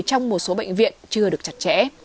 trong một số bệnh viện chưa được chặt chẽ